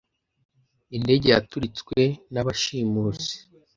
Indege yaturitswe n'abashimusi.